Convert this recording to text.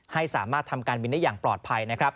ให้สามารถทำการบินได้อย่างปลอดภัยนะครับ